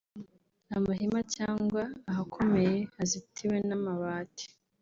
amahema cyangwa ahakomeye hazitiwe n’amabati